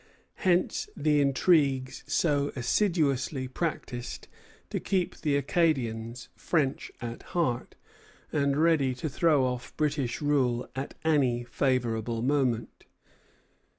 Hence the intrigues so assiduously practised to keep the Acadians French at heart, and ready to throw off British rule at any favorable moment.